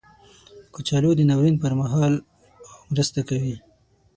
کچالو د ناورین پر مهال مرسته کوي